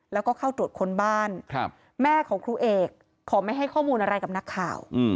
แล้วก็เข้าตรวจค้นบ้านแม่ของครูเอกขอไม่ให้ข้อมูลอะไรกับนักข่าว